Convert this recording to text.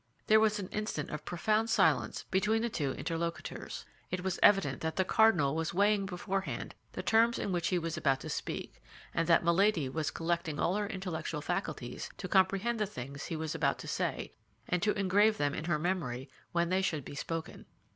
There was an instant of profound silence between the two interlocutors. It was evident that the cardinal was weighing beforehand the terms in which he was about to speak, and that Milady was collecting all her intellectual faculties to comprehend the things he was about to say, and to engrave them in her memory when they should be spoken.